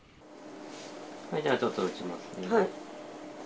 それでは、ちょっと打ちますね。